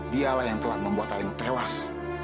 dialah yang telah membuat anu tewas